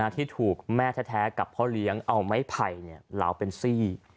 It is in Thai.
ที่ถูกแม่แท้กับพ่อเลี้ยงเอาไม้ไผ่เหลาเป็นซี่